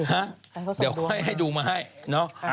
ให้เขาส่งดวงมานะฮะเดี๋ยวให้ดูมาให้เนอะอ่า